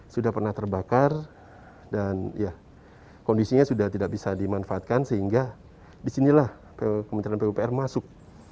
sudah pernah terbakar dan kondisinya sudah tidak bisa dimanfaatkan sehingga disinilah kementerian pupr masuk